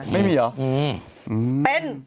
ไม่มีหรอ